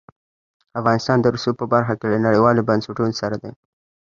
افغانستان د رسوب په برخه کې له نړیوالو بنسټونو سره دی.